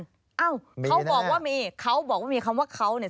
เอ้าเขาบอกว่ามีเขาบอกว่ามีคำว่าเขาเนี่ย